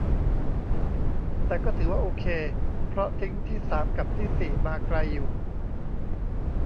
แต่ก็ถือว่าโอเค เพราะทิ้งที่สามกับที่สี่มาไกลอยู่